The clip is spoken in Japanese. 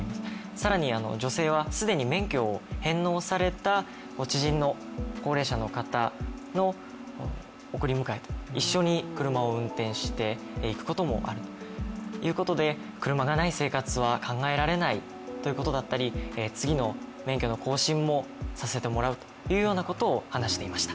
更に女性は既に免許を返納された知人の高齢者の方の送り迎えと、一緒に車を運転していくこともあるということで、車がない生活は考えられないということだったり、次の免許の更新もさせてもらうというようなことを話していました。